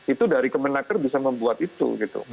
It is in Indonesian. itu dari kemenaker bisa membuat itu gitu